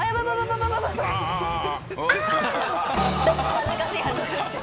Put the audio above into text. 恥ずかしい恥ずかしい。